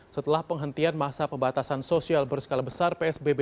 setelah penghentian masa pembatasan sosial berskala besar psbb